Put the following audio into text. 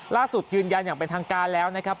ยืนยันอย่างเป็นทางการแล้วนะครับ